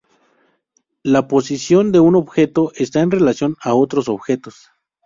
La posición de un objeto está en relación a otros objetos.